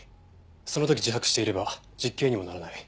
その時自白していれば実刑にもならない。